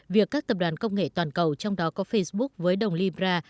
việc các tập đoàn công nghệ toàn cầu trong đó có facebook với đồng libra